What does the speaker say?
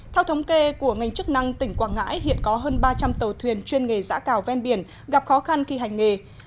theo thống kê của ngành chức năng tỉnh quảng ngãi hiện có hơn ba trăm linh tàu thuyền chuyên nghề giã cào ven biển gặp khó khăn khi hành nghề